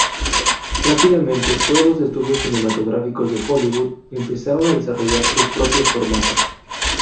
Rápidamente, todos los estudios cinematográficos de Hollywood empezaron a desarrollar sus propios formatos.